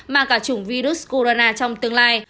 mà cả chủng virus corona trong tương lai